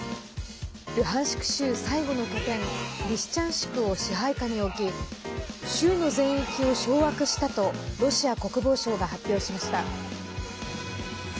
ルハンシク州、最後の拠点リシチャンシクを支配下に置き州の全域を掌握したとロシア国防省が発表しました。